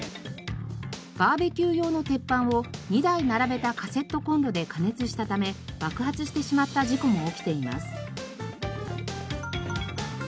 バーベキュー用の鉄板を２台並べたカセットコンロで加熱したため爆発してしまった事故も起きています。